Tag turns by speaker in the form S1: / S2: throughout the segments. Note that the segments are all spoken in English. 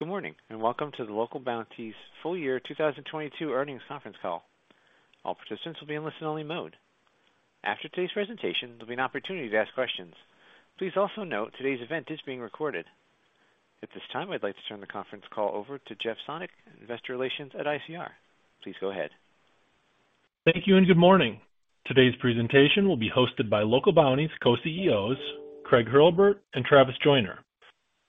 S1: Good morning, welcome to the Local Bounti's full year 2022 earnings conference call. All participants will be in listen-only mode. After today's presentation, there'll be an opportunity to ask questions. Please also note today's event is being recorded. At this time, I'd like to turn the conference call over to Jeff Sonnek, Investor Relations at ICR. Please go ahead.
S2: Thank you and good morning. Today's presentation will be hosted by Local Bounti's Co-CEOs, Craig Hurlbert and Travis Joyner,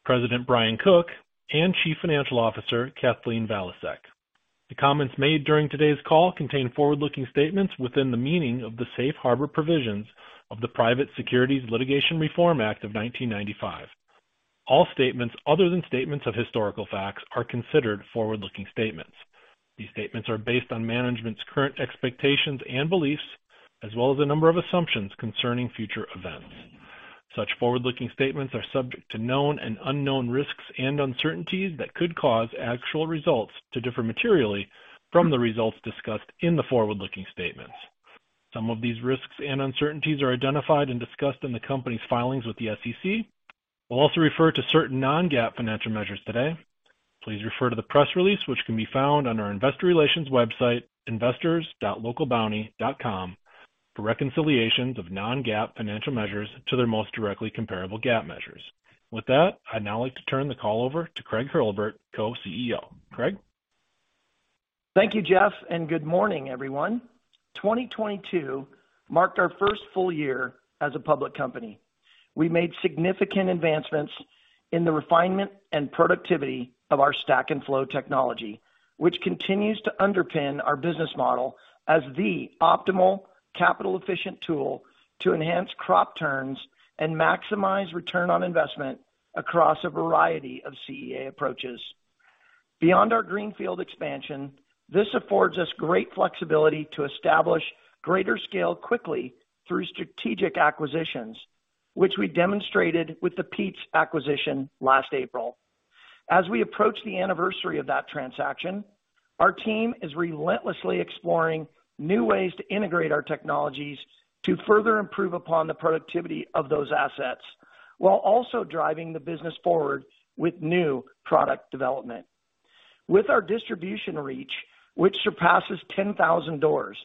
S2: President Brian Cook, and Chief Financial Officer Kathleen Valiasek. The comments made during today's call contain forward-looking statements within the meaning of the Safe Harbor Provisions of the Private Securities Litigation Reform Act of 1995. All statements other than statements of historical facts are considered forward-looking statements. These statements are based on management's current expectations and beliefs, as well as a number of assumptions concerning future events. Such forward-looking statements are subject to known and unknown risks and uncertainties that could cause actual results to differ materially from the results discussed in the forward-looking statements. Some of these risks and uncertainties are identified and discussed in the company's filings with the SEC. We'll also refer to certain non-GAAP financial measures today. Please refer to the press release which can be found on our investor relations website, investors.localbounti.com for reconciliations of non-GAAP financial measures to their most directly comparable GAAP measures. With that, I'd now like to turn the call over to Craig Hurlbert, Co-CEO. Craig.
S3: Thank you, Jeff. Good morning, everyone. 2022 marked our first full year as a public company. We made significant advancements in the refinement and productivity of our Stack & Flow Technology, which continues to underpin our business model as the optimal capital efficient tool to enhance crop turns and maximize return on investment across a variety of CEA approaches. Beyond our greenfield expansion, this affords us great flexibility to establish greater scale quickly through strategic acquisitions, which we demonstrated with the Pete's acquisition last April. As we approach the anniversary of that transaction, our team is relentlessly exploring new ways to integrate our technologies to further improve upon the productivity of those assets, while also driving the business forward with new product development. With our distribution reach, which surpasses 10,000 doors,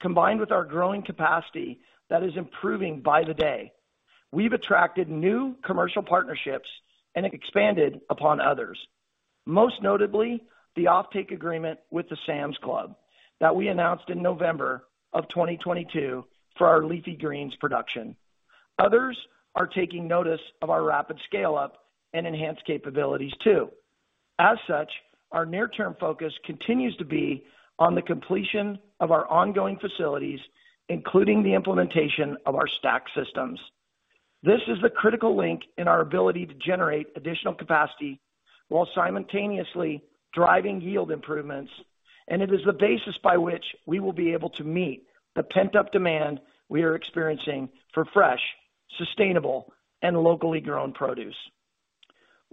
S3: combined with our growing capacity that is improving by the day, we've attracted new commercial partnerships and expanded upon others. Most notably, the offtake agreement with the Sam's Club that we announced in November of 2022 for our leafy greens production. Others are taking notice of our rapid scale-up and enhanced capabilities too. As such, our near-term focus continues to be on the completion of our ongoing facilities, including the implementation of our Stack systems. This is the critical link in our ability to generate additional capacity while simultaneously driving yield improvements, and it is the basis by which we will be able to meet the pent-up demand we are experiencing for fresh, sustainable, and locally grown produce.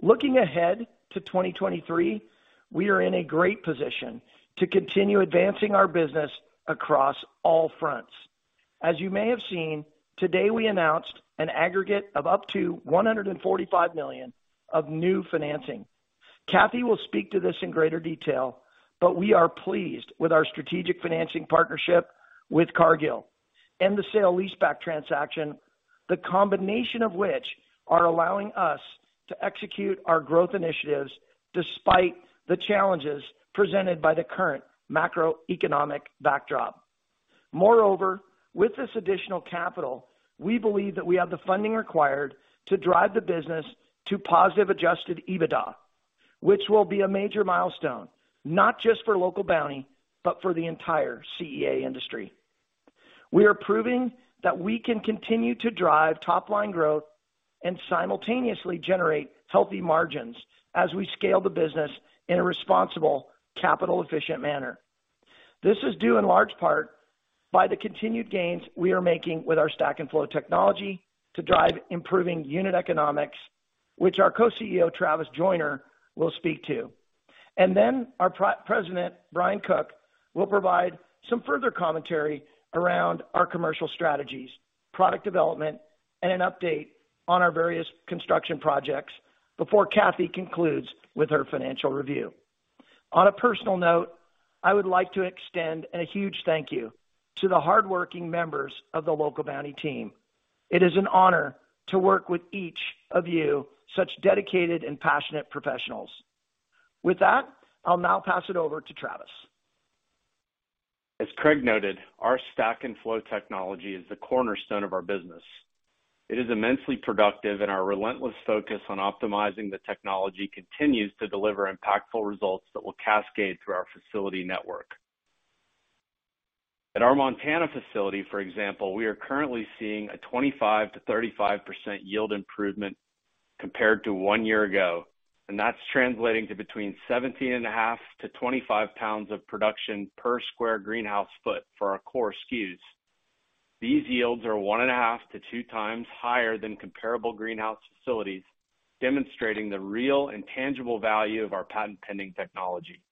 S3: Looking ahead to 2023, we are in a great position to continue advancing our business across all fronts. As you may have seen, today we announced an aggregate of up to $145 million of new financing. Kathy will speak to this in greater detail, but we are pleased with our strategic financing partnership with Cargill and the sale leaseback transaction, the combination of which are allowing us to execute our growth initiatives despite the challenges presented by the current macroeconomic backdrop. Moreover, with this additional capital, we believe that we have the funding required to drive the business to positive adjusted EBITDA, which will be a major milestone, not just for Local Bounti, but for the entire CEA industry. We are proving that we can continue to drive top-line growth and simultaneously generate healthy margins as we scale the business in a responsible, capital efficient manner. This is due in large part by the continued gains we are making with our Stack & Flow Technology to drive improving unit economics, which our Co-CEO, Travis Joyner, will speak to. Our President, Brian Cook, will provide some further commentary around our commercial strategies, product development, and an update on our various construction projects before Kathy concludes with her financial review. On a personal note, I would like to extend a huge thank you to the hardworking members of the Local Bounti team. It is an honor to work with each of you, such dedicated and passionate professionals. With that, I'll now pass it over to Travis.
S4: As Craig noted, our Stack & Flow Technology is the cornerstone of our business. It is immensely productive, and our relentless focus on optimizing the technology continues to deliver impactful results that will cascade through our facility network. At our Montana facility, for example, we are currently seeing a 25%-35% yield improvement compared to one year ago, and that's translating to between 17.5-25 pounds of production per square greenhouse foot for our core SKUs. These yields are one and a half to two times higher than comparable greenhouse facilities, demonstrating the real and tangible value of our patent-pending technology.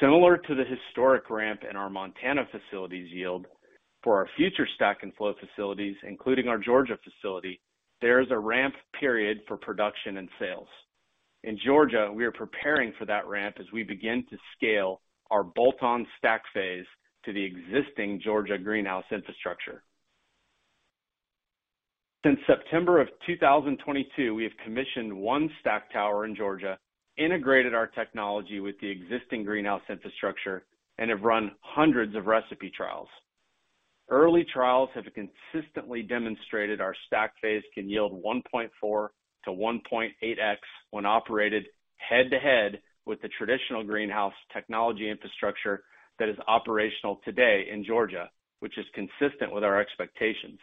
S4: Similar to the historic ramp in our Montana facilities yield, for our future Stack & Flow facilities, including our Georgia facility, there is a ramp period for production and sales. In Georgia, we are preparing for that ramp as we begin to scale our bolt-on stack phase to the existing Georgia greenhouse infrastructure. Since September of 2022, we have commissioned 1 stack tower in Georgia, integrated our technology with the existing greenhouse infrastructure and have run hundreds of recipe trials. Early trials have consistently demonstrated our stack phase can yield 1.4x-1.8x when operated head to head with the traditional greenhouse technology infrastructure that is operational today in Georgia, which is consistent with our expectations.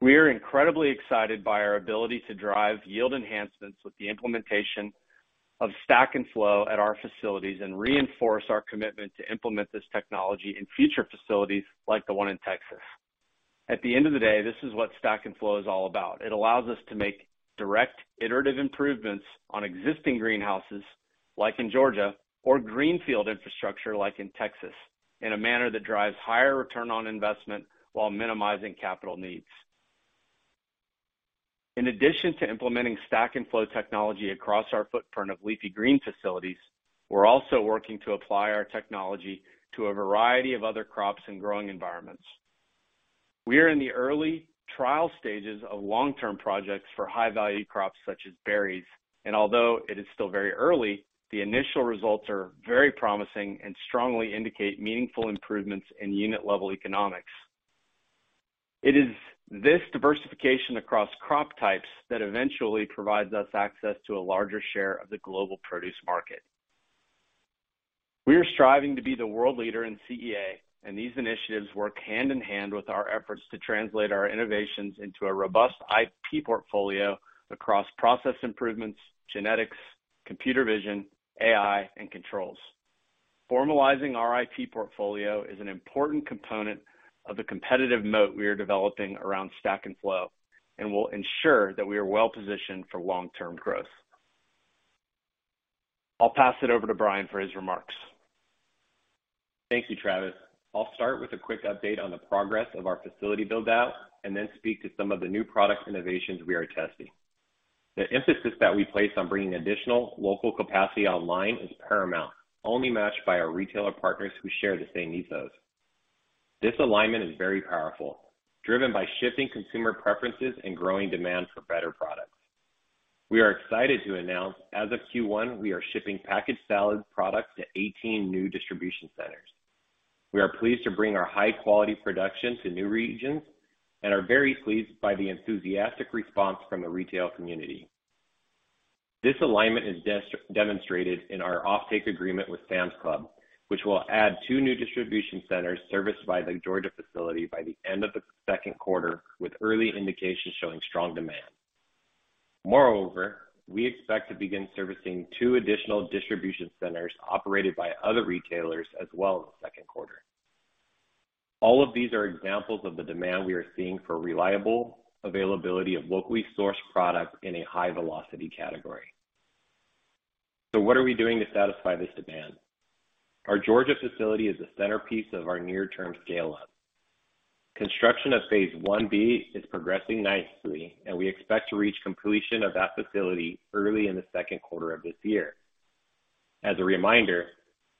S4: We are incredibly excited by our ability to drive yield enhancements with the implementation of Stack & Flow at our facilities and reinforce our commitment to implement this technology in future facilities like the one in Texas. At the end of the day, this is what Stack & Flow is all about. It allows us to make direct iterative improvements on existing greenhouses like in Georgia or greenfield infrastructure like in Texas, in a manner that drives higher ROI while minimizing capital needs. In addition to implementing Stack & Flow Technology across our footprint of leafy green facilities, we're also working to apply our technology to a variety of other crops and growing environments. We are in the early trial stages of long-term projects for high-value crops such as berries. Although it is still very early, the initial results are very promising and strongly indicate meaningful improvements in unit-level economics. It is this diversification across crop types that eventually provides us access to a larger share of the global produce market. We are striving to be the world leader in CEA. These initiatives work hand in hand with our efforts to translate our innovations into a robust IP portfolio across process improvements, genetics, computer vision, AI, and controls. Formalizing our IP portfolio is an important component of the competitive moat we are developing around Stack & Flow, and will ensure that we are well positioned for long-term growth. I'll pass it over to Brian for his remarks.
S5: Thank you, Travis. I'll start with a quick update on the progress of our facility build-out and then speak to some of the new product innovations we are testing. The emphasis that we place on bringing additional local capacity online is paramount, only matched by our retailer partners who share the same ethos. This alignment is very powerful, driven by shifting consumer preferences and growing demand for better products. We are excited to announce as of Q1, we are shipping packaged salad products to 18 new distribution centers. We are pleased to bring our high-quality production to new regions and are very pleased by the enthusiastic response from the retail community. This alignment is demonstrated in our offtake agreement with Sam's Club, which will add 2 new distribution centers serviced by the Georgia facility by the end of the second quarter, with early indications showing strong demand. We expect to begin servicing two additional distribution centers operated by other retailers as well in the second quarter. All of these are examples of the demand we are seeing for reliable availability of locally sourced product in a high-velocity category. What are we doing to satisfy this demand? Our Georgia facility is the centerpiece of our near-term scale up. Construction of Phase 1-B is progressing nicely, and we expect to reach completion of that facility early in the second quarter of this year. As a reminder,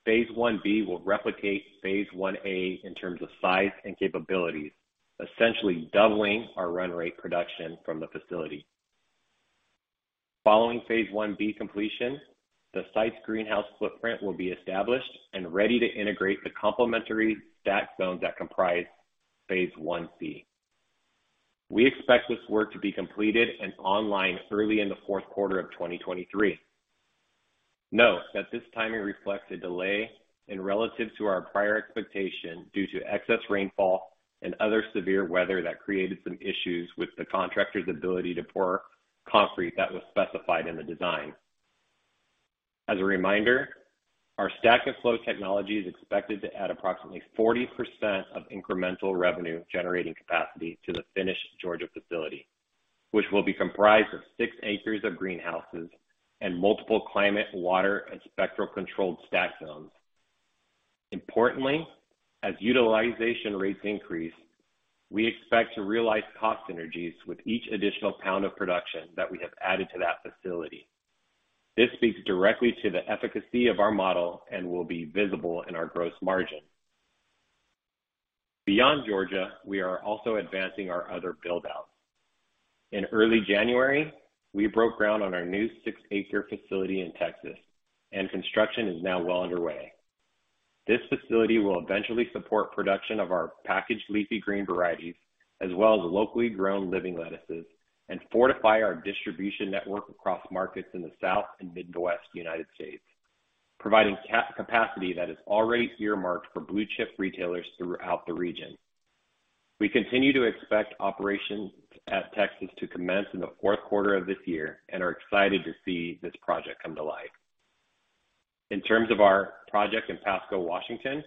S5: Phase 1-B will replicate Phase 1-A in terms of size and capabilities, essentially doubling our run rate production from the facility. Following Phase 1-B completion, the site's greenhouse footprint will be established and ready to integrate the complementary Stack zones that comprise Phase 1-C. We expect this work to be completed and online early in the fourth quarter of 2023. Note that this timing reflects a delay in relative to our prior expectation due to excess rainfall and other severe weather that created some issues with the contractor's ability to pour concrete that was specified in the design. As a reminder, our Stack & Flow Technology is expected to add approximately 40% of incremental revenue generating capacity to the finished Georgia facility, which will be comprised of six acres of greenhouses and multiple climate, water, and spectral-controlled stack zones. Importantly, as utilization rates increase, we expect to realize cost synergies with each additional pound of production that we have added to that facility. This speaks directly to the efficacy of our model and will be visible in our gross margin. Beyond Georgia, we are also advancing our other build-outs. In early January, we broke ground on our new 6-acre facility in Texas, and construction is now well underway. This facility will eventually support production of our packaged leafy green varieties, as well as locally grown living lettuces and fortify our distribution network across markets in the South and Midwest United States, providing capacity that is already earmarked for blue-chip retailers throughout the region. We continue to expect operations at Texas to commence in the fourth quarter of this year and are excited to see this project come to life. In terms of our project in Pasco, Washington.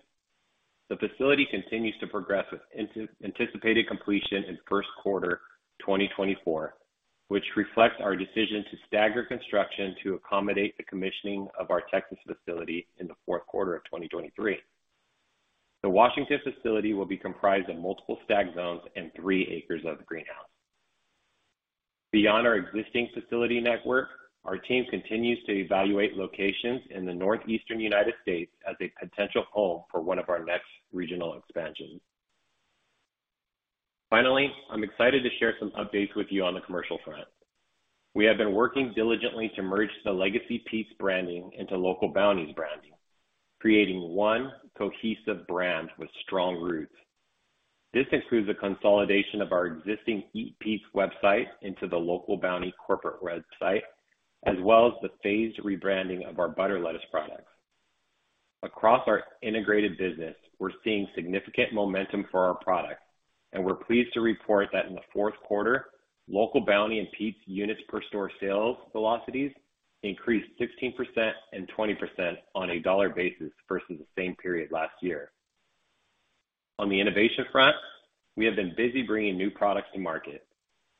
S5: The facility continues to progress with anticipated completion in first quarter 2024, which reflects our decision to stagger construction to accommodate the commissioning of our Texas facility in the fourth quarter of 2023. The Washington facility will be comprised of multiple stack zones and 3 acres of greenhouse. Beyond our existing facility network, our team continues to evaluate locations in the Northeastern United States as a potential home for one of our next regional expansions. Finally, I'm excited to share some updates with you on the commercial front. We have been working diligently to merge the legacy Pete's branding into Local Bounti's branding, creating one cohesive brand with strong roots. This includes the consolidation of our existing Eat Pete's website into the Local Bounti corporate website, as well as the phased rebranding of our butter lettuce products. Across our integrated business, we're seeing significant momentum for our product, and we're pleased to report that in the fourth quarter, Local Bounti and Pete's units per store sales velocities increased 16% and 20% on a dollar basis versus the same period last year. On the innovation front, we have been busy bringing new products to market.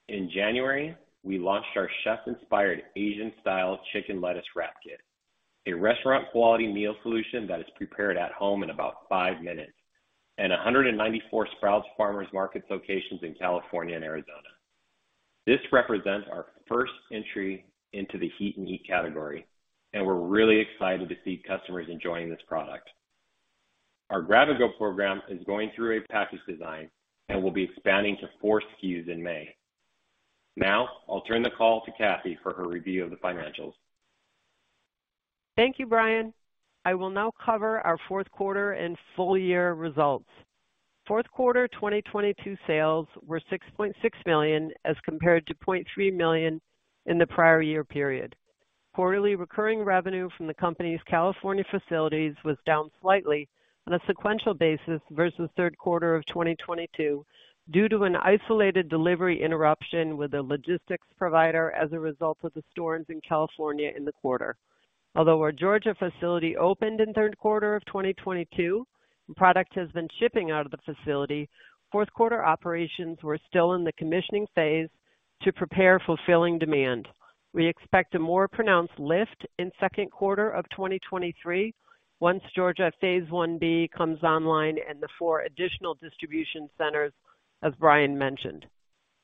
S5: In January, we launched our chef-inspired Asian Style Chicken Lettuce Wrap Kit, a restaurant quality meal solution that is prepared at home in about 5 minutes, and 194 Sprouts Farmers Market locations in California and Arizona. This represents our first entry into the Heat and Eat category, and we're really excited to see customers enjoying this product. Our Grab & Go program is going through a package design and will be expanding to 4 SKUs in May. Now, I'll turn the call to Kathy for her review of the financials.
S6: Thank you, Brian. I will now cover our fourth quarter and full year results. Fourth quarter 2022 sales were $6.6 million, as compared to $0.3 million in the prior year period. Quarterly recurring revenue from the company's California facilities was down slightly on a sequential basis versus third quarter of 2022 due to an isolated delivery interruption with a logistics provider as a result of the storms in California in the quarter. Our Georgia facility opened in third quarter of 2022, and product has been shipping out of the facility, fourth quarter operations were still in the commissioning phase to prepare fulfilling demand. We expect a more pronounced lift in second quarter of 2023 once Georgia Phase 1-B comes online and the four additional distribution centers, as Brian mentioned.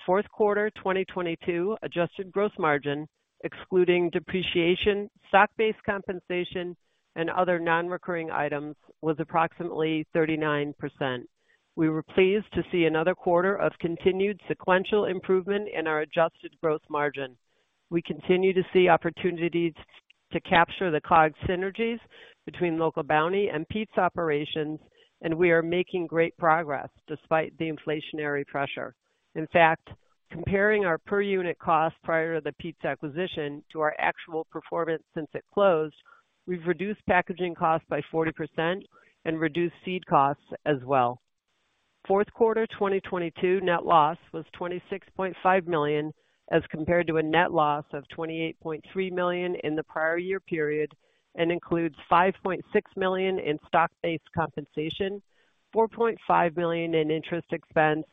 S6: Fourth quarter 2022 adjusted gross margin, excluding depreciation, stock-based compensation, and other non-recurring items, was approximately 39%. We were pleased to see another quarter of continued sequential improvement in our adjusted gross margin. We continue to see opportunities to capture the cog synergies between Local Bounti and Pete's operations, and we are making great progress despite the inflationary pressure. In fact, comparing our per unit cost prior to the Pete's acquisition to our actual performance since it closed, we've reduced packaging costs by 40% and reduced seed costs as well. Fourth quarter 2022 net loss was $26.5 million, as compared to a net loss of $28.3 million in the prior year period, and includes $5.6 million in stock-based compensation, $4.5 million in interest expense,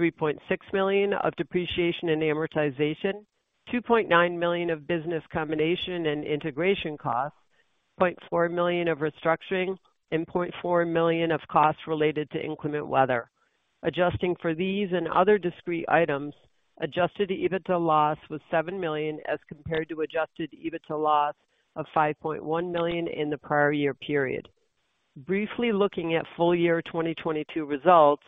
S6: $3.6 million of depreciation and amortization, $2.9 million of business combination and integration costs, $0.4 million of restructuring, and $0.4 million of costs related to inclement weather. Adjusting for these and other discrete items, adjusted EBITDA loss was $7 million, as compared to adjusted EBITDA loss of $5.1 million in the prior year period. Briefly looking at full year 2022 results,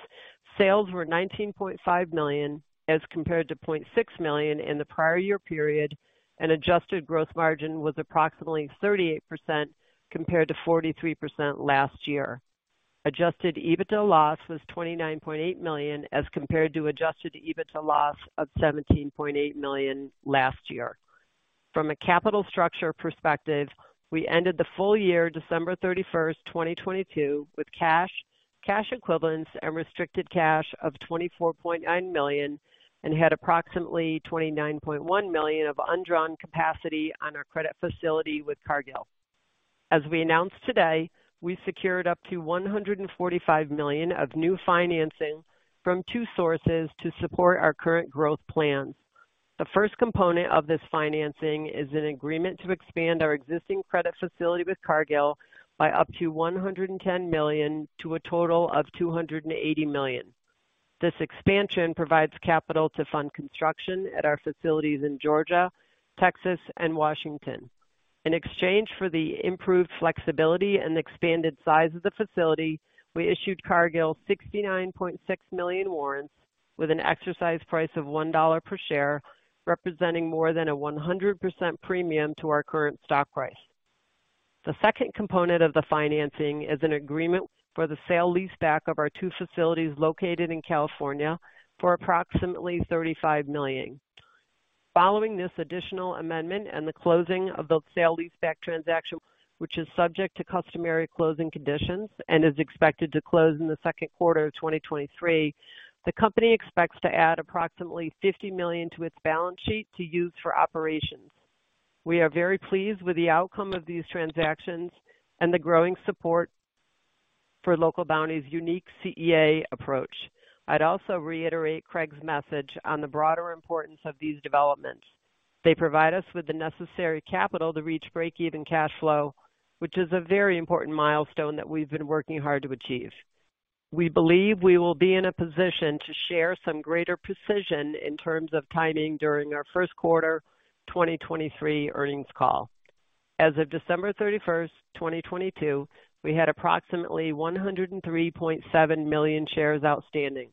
S6: sales were $19.5 million, as compared to $0.6 million in the prior year period, and adjusted gross margin was approximately 38% compared to 43% last year. Adjusted EBITDA loss was $29.8 million, as compared to adjusted EBITDA loss of $17.8 million last year. From a capital structure perspective, we ended the full year December 31st, 2022, with cash equivalents and restricted cash of $24.9 million and had approximately $29.1 million of undrawn capacity on our credit facility with Cargill. As we announced today, we secured up to $145 million of new financing from two sources to support our current growth plans. The first component of this financing is an agreement to expand our existing credit facility with Cargill by up to $110 million to a total of $280 million. This expansion provides capital to fund construction at our facilities in Georgia, Texas, and Washington. In exchange for the improved flexibility and expanded size of the facility, we issued Cargill $69.6 million warrants with an exercise price of $1 per share, representing more than a 100% premium to our current stock price. The second component of the financing is an agreement for the sale leaseback of our 2 facilities located in California for approximately $35 million. Following this additional amendment and the closing of the sale leaseback transaction, which is subject to customary closing conditions and is expected to close in the second quarter of 2023, the company expects to add approximately $50 million to its balance sheet to use for operations. We are very pleased with the outcome of these transactions and the growing support for Local Bounti's unique CEA approach. I'd also reiterate Craig's message on the broader importance of these developments. They provide us with the necessary capital to reach break-even cash flow, which is a very important milestone that we've been working hard to achieve. We believe we will be in a position to share some greater precision in terms of timing during our first quarter, 2023 earnings call. As of December 31st, 2022, we had approximately 103.7 million shares outstanding.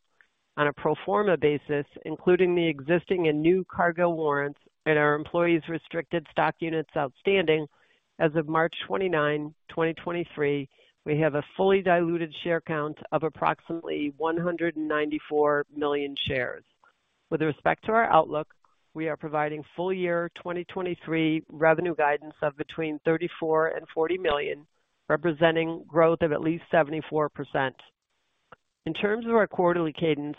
S6: On a pro forma basis, including the existing and new Cargill warrants and our employees restricted stock units outstanding as of March 29, 2023, we have a fully diluted share count of approximately 194 million shares. With respect to our outlook, we are providing full year 2023 revenue guidance of between $34 million and $40 million, representing growth of at least 74%. In terms of our quarterly cadence,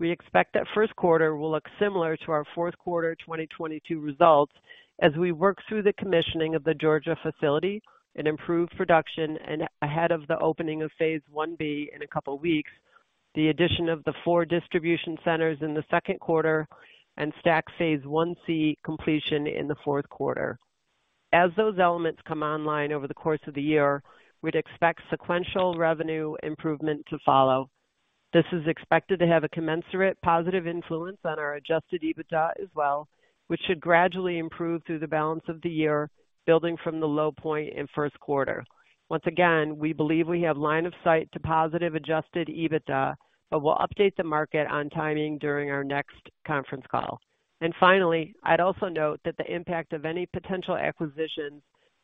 S6: we expect that first quarter will look similar to our fourth quarter 2022 results as we work through the commissioning of the Georgia facility and improve production and ahead of the opening of Phase 1-B in a couple weeks, the addition of the four distribution centers in the second quarter and stack Phase 1-C completion in the fourth quarter. As those elements come online over the course of the year, we'd expect sequential revenue improvement to follow. This is expected to have a commensurate positive influence on our adjusted EBITDA as well, which should gradually improve through the balance of the year building from the low point in first quarter. Once again, we believe we have line of sight to positive adjusted EBITDA, but we'll update the market on timing during our next conference call. Finally, I'd also note that the impact of any potential acquisitions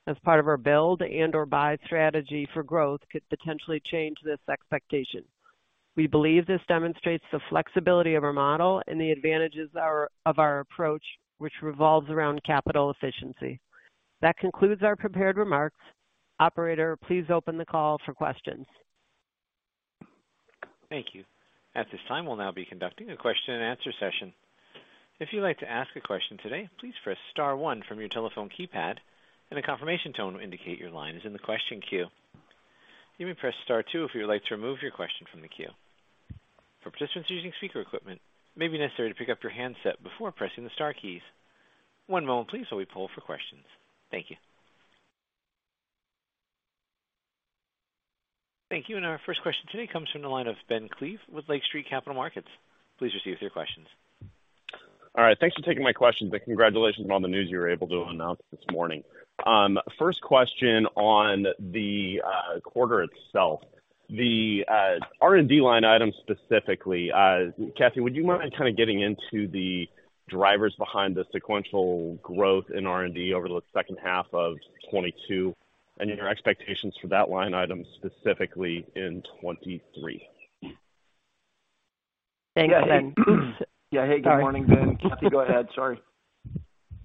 S6: as part of our build and or buy strategy for growth could potentially change this expectation. We believe this demonstrates the flexibility of our model and the advantages of our approach, which revolves around capital efficiency. That concludes our prepared remarks. Operator, please open the call for questions.
S1: Thank you. At this time, we'll now be conducting a question-and-answer session. If you'd like to ask a question today, please press star one from your telephone keypad and a confirmation tone will indicate your line is in the question queue. You may press star two if you would like to remove your question from the queue. For participants using speaker equipment, it may be necessary to pick up your handset before pressing the star keys. One moment please while we poll for questions. Thank you. Thank you. Our first question today comes from the line of Ben Klieve with Lake Street Capital Markets. Please proceed with your questions.
S7: All right. Thanks for taking my questions. Congratulations on the news you were able to announce this morning. First question on the quarter itself, the R&D line item specifically. Kathy, would you mind kind of getting into the drivers behind the sequential growth in R&D over the second half of 2022 and your expectations for that line item specifically in 2023?
S6: Thanks, Ben.
S3: Yeah. Hey, good morning, Ben. Kathy, go ahead. Sorry.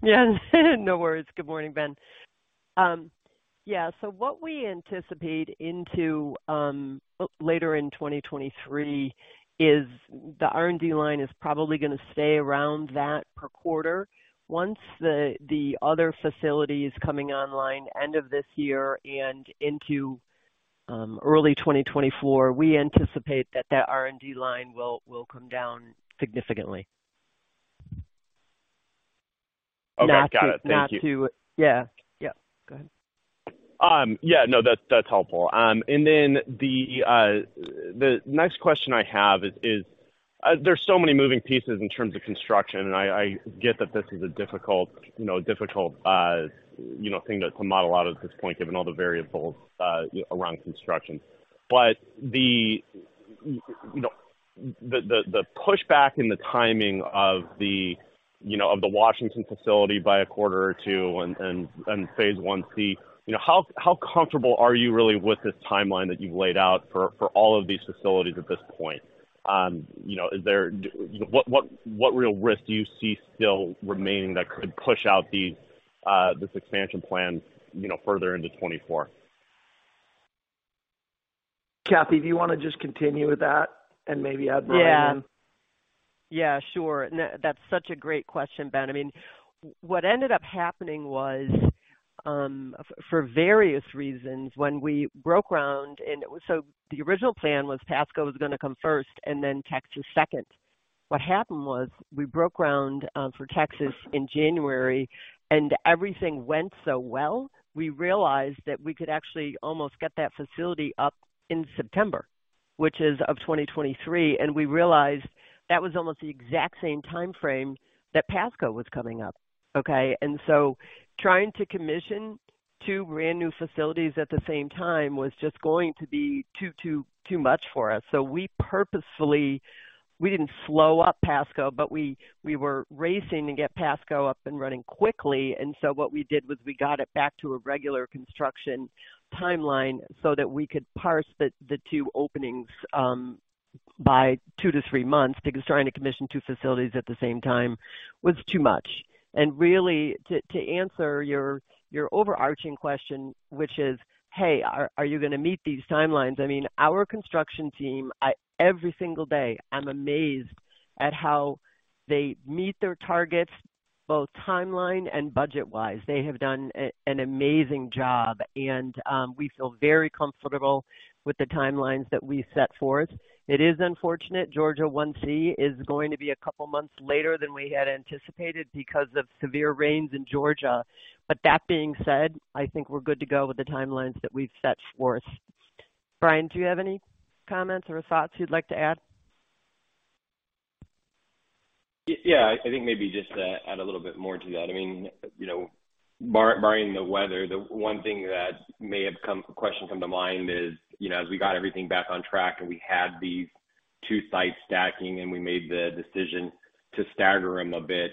S6: Yeah. No worries. Good morning, Ben. Yeah. What we anticipate into later in 2023 is the R&D line is probably gonna stay around that per quarter. Once the other facility is coming online end of this year and into early 2024, we anticipate that the R&D line will come down significantly.
S7: Okay. Got it. Thank you.
S6: Yeah. Yeah. Go ahead.
S7: Yeah, no, that's helpful. The next question I have is, there's so many moving pieces in terms of construction, and I get that this is a difficult, you know, difficult, you know, thing to model out at this point, given all the variables, around construction. The, you know, the, the pushback in the timing of the, you know, of the Washington facility by a quarter or two and Phase 1-C, you know, how comfortable are you really with this timeline that you've laid out for all of these facilities at this point? You know, is there? What real risk do you see still remaining that could push out these, this expansion plan, you know, further into 2024?
S3: Kathy, do you wanna just continue with that and maybe add more?
S6: Yeah. Yeah, sure. That's such a great question, Ben. I mean, what ended up happening was, for various reasons when we broke ground, the original plan was Pasco was going to come first and then Texas second. What happened was we broke ground for Texas in January, and everything went so well, we realized that we could actually almost get that facility up in September, which is of 2023, and we realized that was almost the exact same timeframe that Pasco was coming up. Okay? Trying to commission two brand-new facilities at the same time was just going to be too much for us. We purposefully didn't slow up Pasco, but we were racing to get Pasco up and running quickly. What we did was we got it back to a regular construction timeline so that we could parse the two openings by 2-3 months because trying to commission two facilities at the same time was too much. Really, to answer your overarching question, which is, hey, are you gonna meet these timelines? I mean, our construction team, every single day, I'm amazed at how they meet their targets, both timeline and budget wise. They have done an amazing job and we feel very comfortable with the timelines that we set forth. It is unfortunate Phase 1-C is going to be a couple months later than we had anticipated because of severe rains in Georgia. That being said, I think we're good to go with the timelines that we've set forth. Brian, do you have any comments or thoughts you'd like to add?
S5: Yeah, I think maybe just to add a little bit more to that. I mean, you know, barring the weather, the one thing that may have question come to mind is, you know, as we got everything back on track and we had these two sites stacking, and we made the decision to stagger them a bit,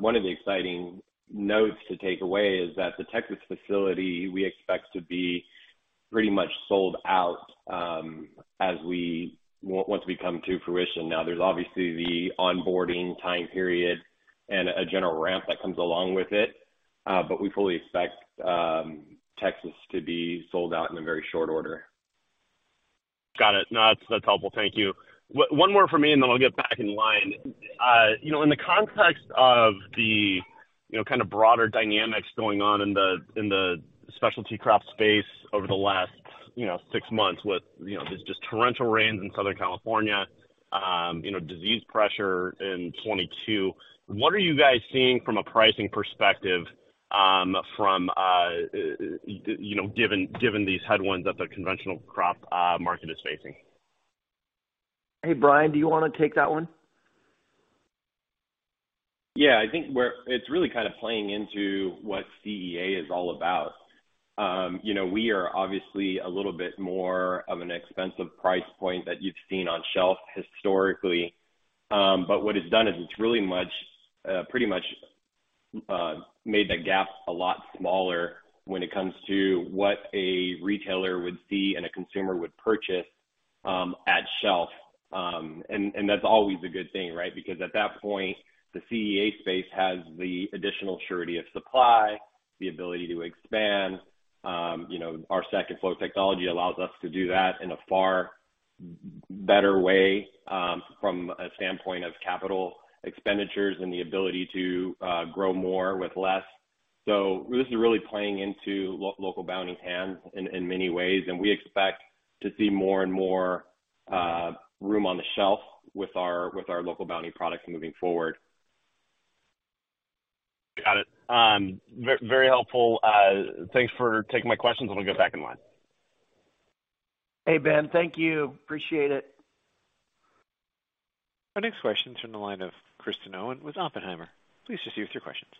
S5: one of the exciting notes to take away is that the Texas facility, we expect to be pretty much sold out, once we come to fruition. Now, there's obviously the onboarding time period and a general ramp that comes along with it. We fully expect Texas to be sold out in a very short order.
S7: Got it. No, that's helpful. Thank you. One more from me, and then I'll get back in line. You know, in the context of the, you know, kind of broader dynamics going on in the, in the specialty crop space over the last, you know, six months with, you know, just torrential rains in Southern California, you know, disease pressure in 22, what are you guys seeing from a pricing perspective, from, you know, given these headwinds that the conventional crop market is facing?
S3: Hey, Brian, do you wanna take that one?
S5: Yeah, I think It's really kind of playing into what CEA is all about. You know, we are obviously a little bit more of an expensive price point that you've seen on shelf historically. What it's done is it's really much pretty much made that gap a lot smaller when it comes to what a retailer would see and a consumer would purchase at shelf. That's always a good thing, right? Because at that point, the CEA space has the additional surety of supply, the ability to expand. You know, our second flow technology allows us to do that in a far better way from a standpoint of capital expenditures and the ability to grow more with less. This is really playing into Local Bounti's hands in many ways, and we expect to see more and more room on the shelf with our Local Bounti products moving forward.
S7: Got it. very helpful. thanks for taking my questions. I'm gonna get back in line.
S3: Hey, Ben. Thank you. Appreciate it.
S1: Our next question is from the line of Kristen Owen with Oppenheimer. Please just give us your questions.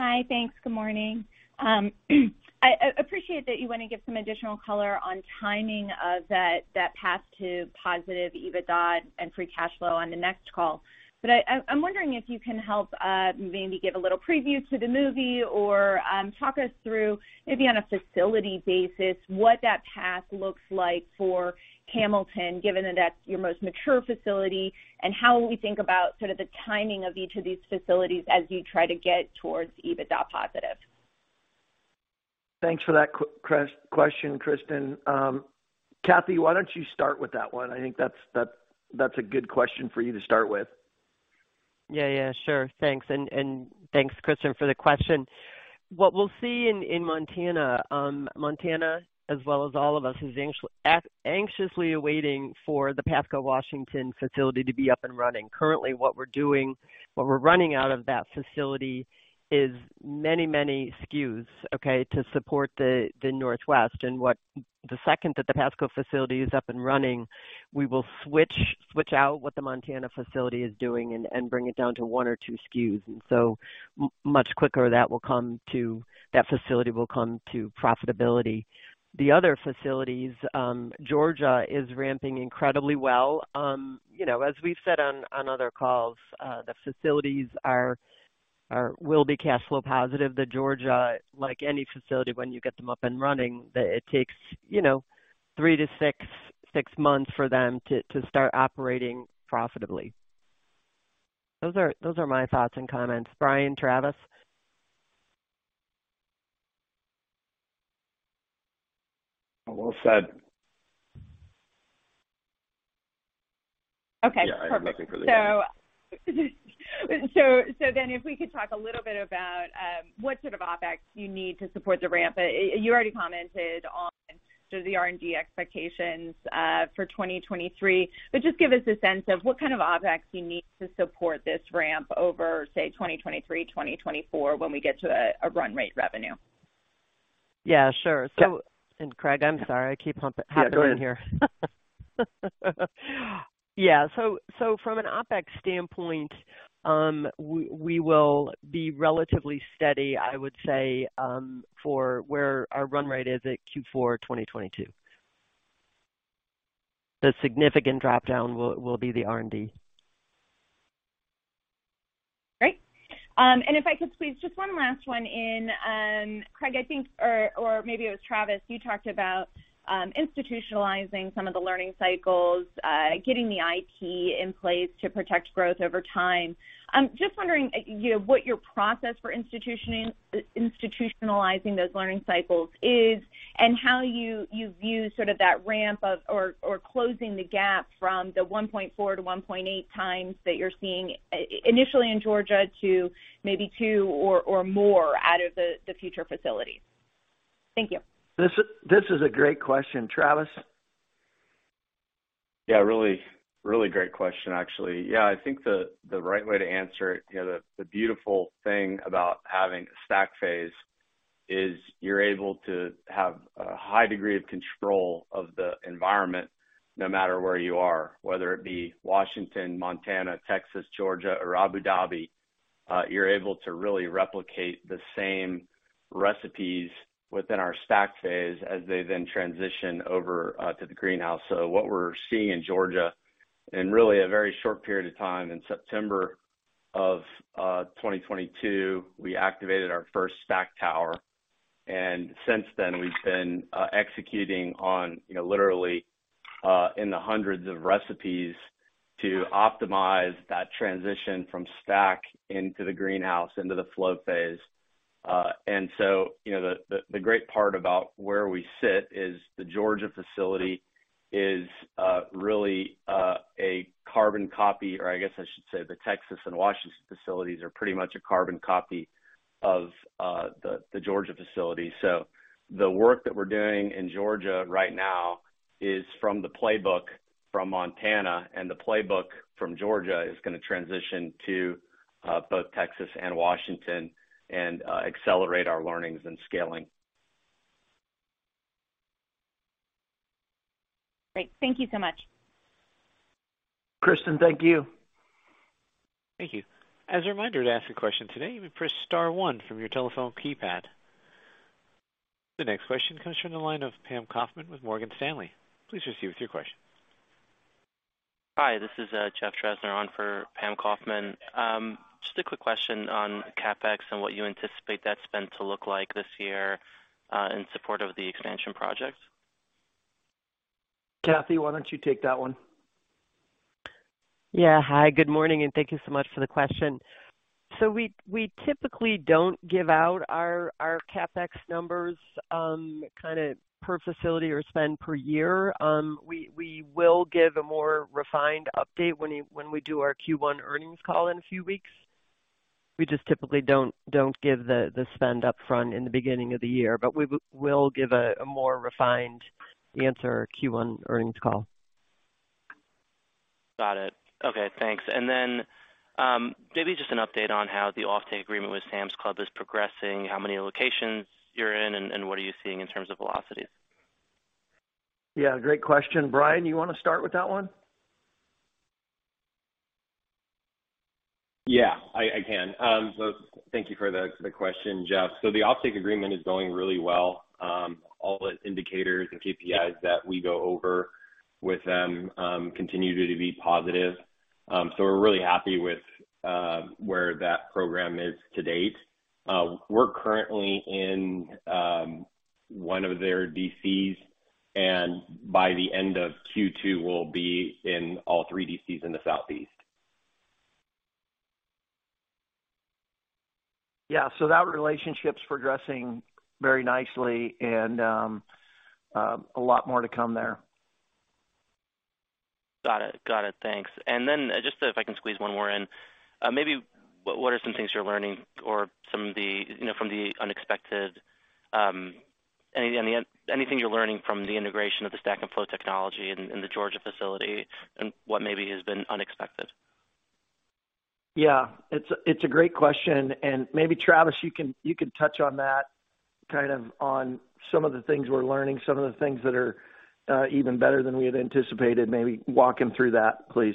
S8: Hi. Thanks. Good morning. I appreciate that you want to give some additional color on timing of that path to positive EBITDA and free cash flow on the next call. I'm wondering if you can help maybe give a little preview to the movie or talk us through maybe on a facility basis, what that path looks like for Hamilton, given that that's your most mature facility, and how we think about sort of the timing of each of these facilities as you try to get towards EBITDA positive.
S3: Thanks for that question, Kristen. Kathy, why don't you start with that one? I think that's a good question for you to start with.
S6: Yeah, yeah, sure. Thanks. Thanks, Kristen, for the question. What we'll see in Montana as well as all of us, is anxiously awaiting for the Pasco, Washington facility to be up and running. Currently, what we're doing, what we're running out of that facility is many SKUs, okay, to support the Northwest. The second that the Pasco facility is up and running, we will switch out what the Montana facility is doing and bring it down to 1 or 2 SKUs, so much quicker that facility will come to profitability. The other facilities, Georgia is ramping incredibly well. You know, as we've said on other calls, the facilities will be cash flow positive. The Georgia, like any facility, when you get them up and running, it takes, you know, 3-6 months for them to start operating profitably. Those are my thoughts and comments. Brian, Travis?
S5: Well said.
S8: Okay, perfect.
S5: Yeah, I have nothing further.
S8: If we could talk a little bit about what sort of OpEx you need to support the ramp. You already commented on the R&D expectations for 2023, just give us a sense of what kind of OpEx you need to support this ramp over, say, 2023-2024, when we get to a run rate revenue.
S6: Yeah, sure.
S3: Yeah.
S6: Craig, I'm sorry. I keep humpping in here.
S3: Yeah, go ahead.
S6: Yeah. From an OpEx standpoint, we will be relatively steady, I would say, for where our run rate is at Q4 2022. The significant dropdown will be the R&D.
S8: Great. If I could please, just one last one in. Craig, I think, or maybe it was Travis, you talked about institutionalizing some of the learning cycles, getting the IT in place to protect growth over time. I'm just wondering, you know, what your process for institutionalizing those learning cycles is and how you view sort of that ramp of or closing the gap from the 1.4 to 1.8 times that you're seeing initially in Georgia to maybe 2 or more out of the future facilities. Thank you.
S3: This is a great question. Travis?
S4: Really great question, actually. I think the right way to answer it, you know, the beautiful thing about having a stack phase is you're able to have a high degree of control of the environment no matter where you are, whether it be Washington, Montana, Texas, Georgia, or Abu Dhabi. You're able to really replicate the same recipes within our stack phase as they then transition over to the greenhouse. What we're seeing in Georgia in really a very short period of time, in September of 2022, we activated our first stack tower. Since then, we've been executing on, you know, literally, in the hundreds of recipes to optimize that transition from stack into the greenhouse, into the flow phase. You know, the great part about where we sit is the Georgia facility is really a carbon copy or I guess I should say the Texas and Washington facilities are pretty much a carbon copy of the Georgia facility. The work that we're doing in Georgia right now is from the playbook from Montana, and the playbook from Georgia is gonna transition to both Texas and Washington and accelerate our learnings and scaling.
S8: Great. Thank you so much.
S3: Kristen, thank you.
S1: Thank you. As a reminder to ask a question today, you may press star one from your telephone keypad. The next question comes from the line of Pam Kaufman with Morgan Stanley. Please proceed with your question.
S9: Hi, this is Jeff Drezner on for Pam Kaufman. Just a quick question on CapEx and what you anticipate that spend to look like this year in support of the expansion project?
S3: Kathy, why don't you take that one?
S6: Yeah. Hi, good morning, and thank you so much for the question. We typically don't give out our CapEx numbers, kinda per facility or spend per year. We will give a more refined update when we do our Q1 earnings call in a few weeks. We just typically don't give the spend up front in the beginning of the year, but we will give a more refined answer Q1 earnings call.
S9: Got it. Okay, thanks. Maybe just an update on how the offtake agreement with Sam's Club is progressing, how many locations you're in, and what are you seeing in terms of velocities?
S3: Yeah, great question. Brian, you wanna start with that one?
S5: I can. Thank you for the question, Jeff. The offtake agreement is going really well. All the indicators and KPIs that we go over with them continue to be positive. We're really happy with where that program is to date. We're currently in one of their DCs, and by the end of Q2, we'll be in all three DCs in the southeast.
S3: Yeah. That relationship's progressing very nicely and, a lot more to come there.
S9: Got it. Got it. Thanks. Just if I can squeeze one more in, maybe what are some things you're learning or some of the, you know, from the unexpected, anything you're learning from the integration of the Stack & Flow Technology in the Georgia facility and what maybe has been unexpected?
S3: Yeah, it's a great question, and maybe, Travis, you can, you can touch on that kind of on some of the things we're learning, some of the things that are even better than we had anticipated. Maybe walk him through that, please.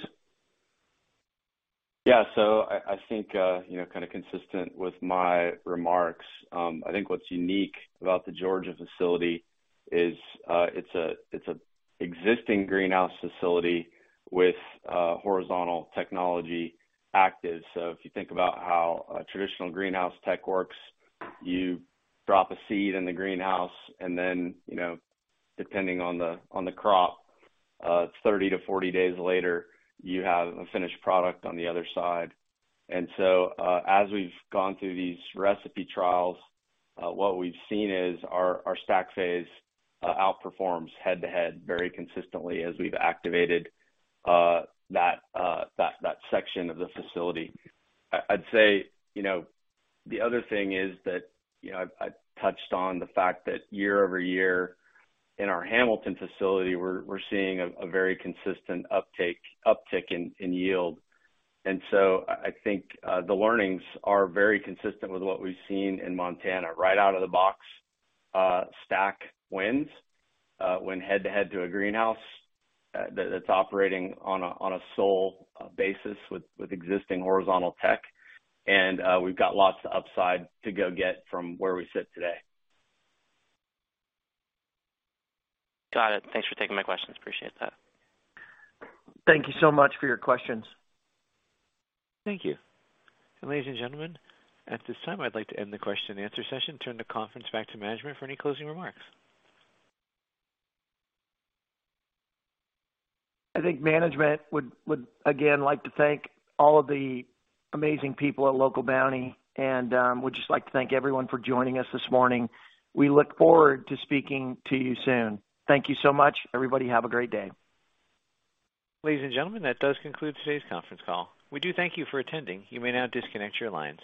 S4: Yeah. I think, you know, kinda consistent with my remarks, I think what's unique about the Georgia facility is, it's a existing greenhouse facility with horizontal technology active. If you think about how a traditional greenhouse tech works, you drop a seed in the greenhouse and then, you know, depending on the crop, 30-40 days later, you have a finished product on the other side. As we've gone through these recipe trials, what we've seen is our stack phase outperforms head-to-head very consistently as we've activated that section of the facility. I'd say, you know, the other thing is that, you know, I've touched on the fact that year-over-year in our Hamilton facility, we're seeing a very consistent uptick in yield. I think the learnings are very consistent with what we've seen in Montana. Right out of the box, Stack wins when head to head to a greenhouse that's operating on a sole basis with existing horizontal tech. We've got lots of upside to go get from where we sit today.
S9: Got it. Thanks for taking my questions. Appreciate that.
S3: Thank you so much for your questions.
S1: Thank you. Ladies and gentlemen, at this time, I'd like to end the question and answer session, turn the conference back to management for any closing remarks.
S3: I think management would, again, like to thank all of the amazing people at Local Bounti, would just like to thank everyone for joining us this morning. We look forward to speaking to you soon. Thank you so much. Everybody, have a great day.
S1: Ladies and gentlemen, that does conclude today's conference call. We do thank you for attending. You may now disconnect your lines.